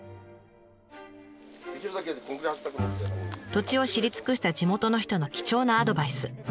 土地を知り尽くした地元の人の貴重なアドバイス。